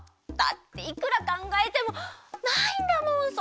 だっていくらかんがえてもないんだもん